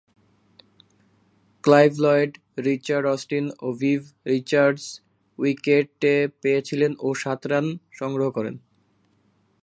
Clive Lloyd, Richard Austin ও Viv রিচার্ডসের wicket পেয়েছিলেন ও সাত রান সংগ্রহ করেন।